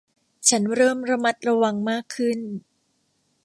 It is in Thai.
ฉันเริ่มระมัดระวังมากขึ้น